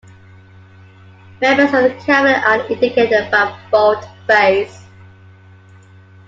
Members of the Cabinet are indicated by bold face.